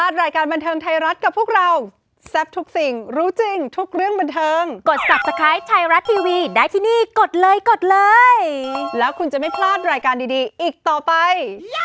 ชายรัดทีวีได้ที่นี่กดเลยกดเลยแล้วคุณจะไม่พลาดรายการดีอีกต่อไป